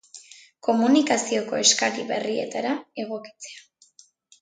Komunikazioko eskari berrietara egokitzea.